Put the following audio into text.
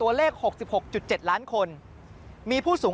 กลับวันนั้นไม่เอาหน่อย